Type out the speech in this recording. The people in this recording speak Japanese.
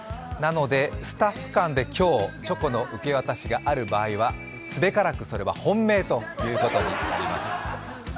なので、スタッフ間で今日、チョコの受け渡しがある場合はすべからく、それは本命ということになります。